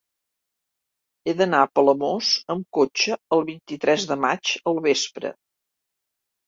He d'anar a Palamós amb cotxe el vint-i-tres de maig al vespre.